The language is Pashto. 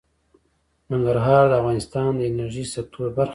ننګرهار د افغانستان د انرژۍ سکتور برخه ده.